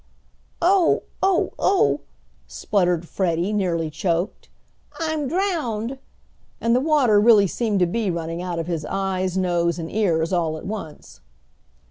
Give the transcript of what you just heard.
"Oh! oh! oh!" spluttered Freddie, nearly choked, "I'm drowned!" and the water really seemed to be running out of his eyes, noses and ears all at once.